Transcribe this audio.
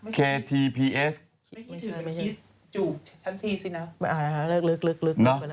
จูบฉันพี่สินะ